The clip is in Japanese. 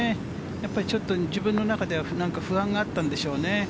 やっぱりちょっと自分の中では何か不安があったんでしょうね。